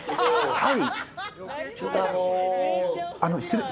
はい。